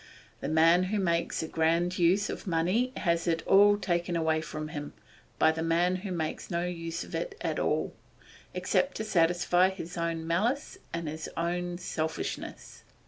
The man who makes a grand use of money has it all taken away from him by the man who makes no use of it at all, except to satisfy his own malice and his own selfishness.